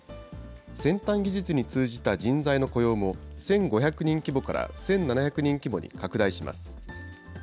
先端技術に通じた人材の雇用も、１５００人規模から１７００人規模に拡大します。